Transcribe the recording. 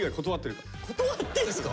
断ってんすか？